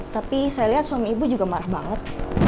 tapi saya lihat suami ibu juga marah banget